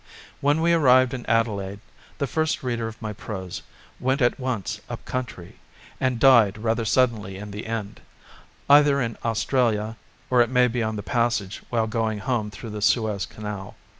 When we arrived in Adelaide the first reader of my prose went at once up country, and died rather suddenly in the end, either in Australia or it may be on the passage while going home through the Suez Canal.